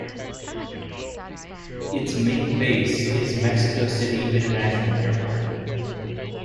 Its main base is Mexico City International Airport.